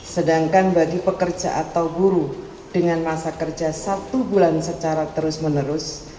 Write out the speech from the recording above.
sedangkan bagi pekerja atau buru dengan masa kerja satu bulan secara terus menerus